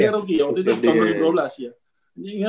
iya rookie waktu itu tahun dua ribu dua belas ya